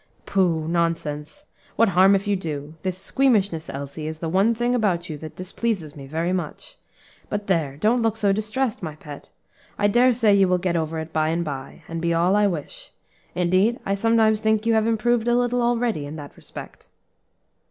"Pooh! nonsense! what harm if you do? This squeamishness, Elsie, is the one thing about you that displeases me very much. But there! don't look so distressed, my pet. I dare say you will get over it by and by, and be all I wish; indeed I sometimes think you have improved a little already, in that respect."